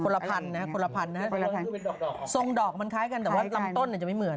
ละพันนะคนละพันนะฮะคนละพันดอกทรงดอกมันคล้ายกันแต่ว่าลำต้นเนี่ยจะไม่เหมือน